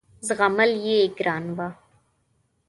زغمل یې ګران وه.